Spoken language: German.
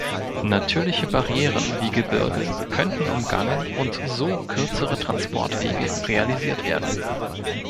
Natürliche Barrieren wie Gebirge könnten umgangen und so kürzere Transportwege realisiert werden.